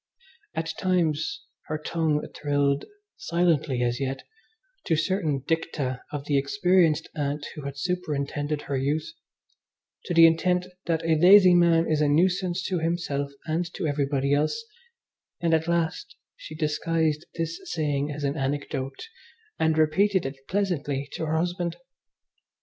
At times her tongue thrilled, silently as yet, to certain dicta of the experienced Aunt who had superintended her youth, to the intent that a lazy man is a nuisance to himself and to everybody else; and, at last, she disguised this saying as an anecdote and repeated it pleasantly to her husband.